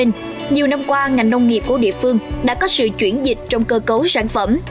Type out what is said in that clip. nhiều năm qua ngành nông nghiệp của địa phương đã có sự chuyển dịch trong cơ cấu sản phẩm